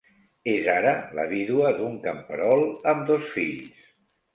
És ara la vídua d'un camperol amb dos fills.